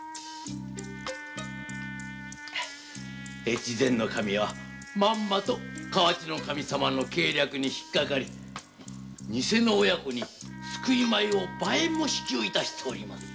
越前守はまんまと河内守様の計略にひっかかりニセの親子に救い米を倍も支給致しております。